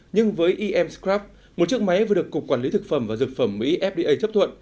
nhưng với ims club một chiếc máy vừa được cục quản lý thực phẩm và dược phẩm mỹ fda chấp thuận